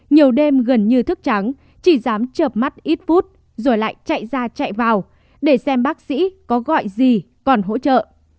nhiều đêm gần như thức trắng chỉ dám chượp mắt ít phút rồi lại chạy ra chạy vào để xem bác sĩ có gọi gì còn hỗ trợ